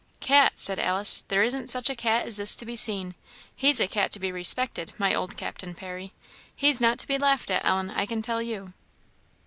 "Cat!" said Alice; "there isn't such a cat as this to be seen. He's a cat to be respected, my old Captain Parry. He's not to be laughed at, Ellen, I can tell you."